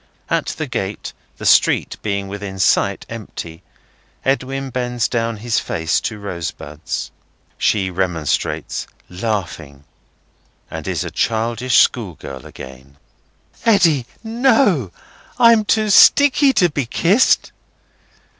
At the gate, the street being within sight empty, Edwin bends down his face to Rosebud's. She remonstrates, laughing, and is a childish schoolgirl again. "Eddy, no! I'm too sticky to be kissed.